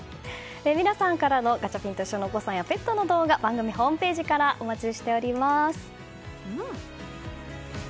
皆さんからのガチャピンといっしょ！へのお子さんやペットの動画番組ホームページからお待ちしております。